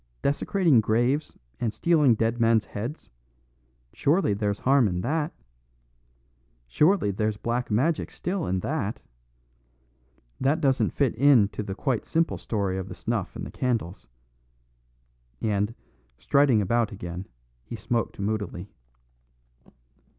Desecrating graves and stealing dead men's heads surely there's harm in that? Surely there's black magic still in that? That doesn't fit in to the quite simple story of the snuff and the candles." And, striding about again, he smoked moodily.